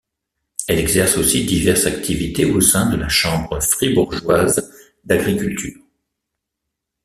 Elle exerce aussi diverses activités au sein de la Chambre fribourgeoise d'agriculture.